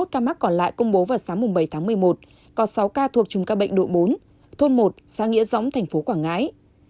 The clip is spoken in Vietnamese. hai mươi ca mắc còn lại công bố vào sáng bảy tháng một mươi một có sáu ca thuộc chung ca bệnh độ bốn thôn một xã nghĩa dõng thành phố quảng ngãi